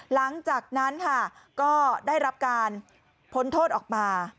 หลังจากนั้นค่ะก็ได้รับการพ้นโทษออกมา